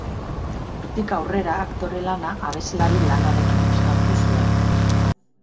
Hortik aurrera aktore lana abeslari lanarekin uztartu zuen.